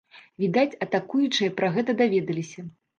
Відаць, атакуючыя пра гэта даведаліся.